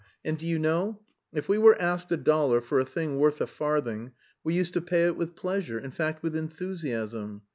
And do you know, if we were asked a dollar for a thing worth a farthing, we used to pay it with pleasure, in fact with enthusiasm.